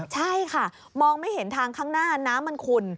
ใช่ค่ะมองไม่เห็นทางข้างหน้าน้ำมันขุ่น